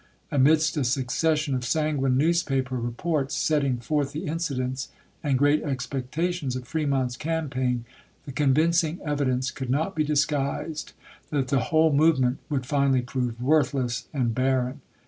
Amidst a succession of sanguine newspaper reports setting forth the incidents and great expectations of Fre mont's campaign, the convincing evidence could not be disguised that the whole movement would finally prove worthless and barren.